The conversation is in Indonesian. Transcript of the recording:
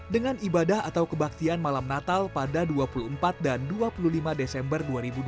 dengan ibadah atau kebaktian malam natal pada dua puluh empat dan dua puluh lima desember dua ribu dua puluh